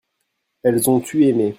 elles ont eu aimé.